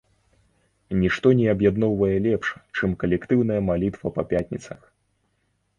Нішто не аб'ядноўвае лепш, чым калектыўная малітва па пятніцах.